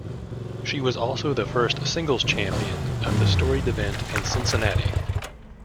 She was also the first singles champion of the storied event in Cincinnati.